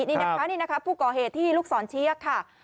นี่นะคะนี่นะคะผู้ก่อเหตุที่ลูกศรเชียค่ะ